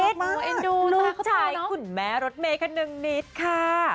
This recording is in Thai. น้องคิดลูกชายคุณแม่รถเมย์ขนึงนิดค่ะ